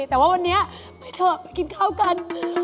แต่ว่าวันนี้ไปเถอะกินข้าวกัน